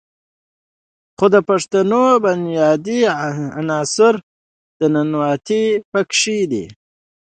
خو د پښتونولۍ بنيادي عنصر "ننواتې" پکښې